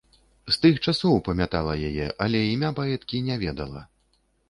З тых часоў памятала яе, але імя паэткі не ведала.